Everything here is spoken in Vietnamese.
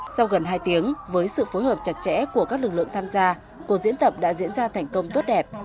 sau gần hai tiếng với sự phối hợp chặt chẽ của các lực lượng tham gia cuộc diễn tập đã diễn ra thành công tốt đẹp